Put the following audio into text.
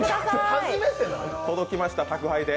届きました、宅配で。